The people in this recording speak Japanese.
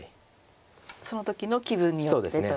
その時の気分によってと。